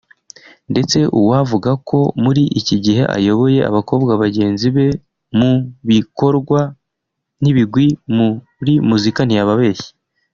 ndetse uwavuga ko muri iki gihe ayoboye abakobwa bagenzi be mu bikorwa n’ibigwi muri muzika ntiyaba abeshye